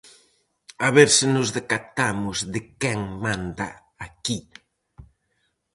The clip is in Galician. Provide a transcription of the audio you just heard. A ver se nos decatamos de quen manda aquí.